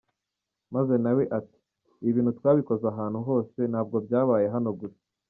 Maze nawe ati ‘ibi bintu twabikoze ahantu hose, ntabwo byabaye hano gusa’.